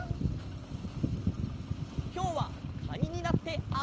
きょうはカニになってあそぶカニ！